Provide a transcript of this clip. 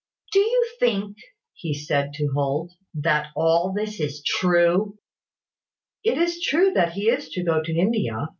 "Do you think," he said to Holt, "that all this is true?" "It is true that he is to go to India.